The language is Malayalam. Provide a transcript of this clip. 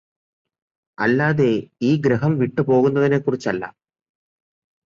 അല്ലാതെ ഈ ഗ്രഹം വിട്ടുപോകുന്നതിനെ കുറിച്ചല്ല